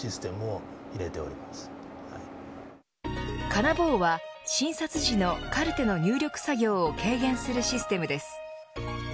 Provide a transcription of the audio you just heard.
カナボーは診察時のカルテの入力作業を軽減するシステムです。